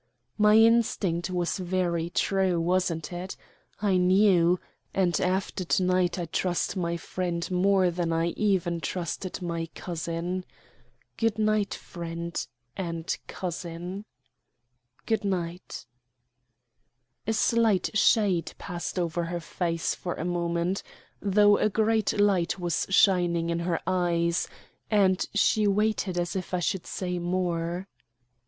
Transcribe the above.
"My instinct was very true, wasn't it? I knew. And after to night I trust my friend more than I even trusted my cousin. Goodnight, friend and cousin." "Goodnight." A slight shade passed over her face for a moment, though a great light was shining in her eyes, and she waited as it I should say more.